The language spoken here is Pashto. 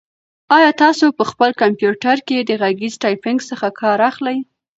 آیا تاسو په خپل کمپیوټر کې د غږیز ټایپنګ څخه کار اخلئ؟